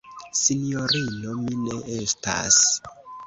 Sinjorino, mi ne estas.